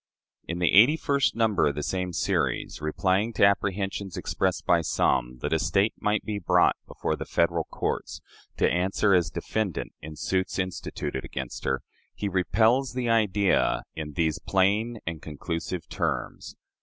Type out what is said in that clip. In the eighty first number of the same series, replying to apprehensions expressed by some that a State might be brought before the Federal courts to answer as defendant in suits instituted against her, he repels the idea in these plain and conclusive terms.